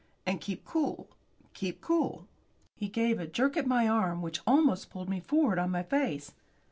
And keep cool keep cool." He gave a jerk at my arm which almost pulled me forward on my face.